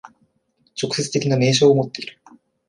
直接的な明証をもっている。